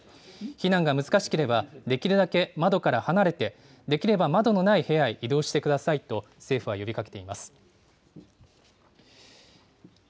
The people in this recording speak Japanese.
避難が難しければ、できるだけ窓から離れて、できれば窓のない部屋へ移動してくださいと政府は呼びかけています。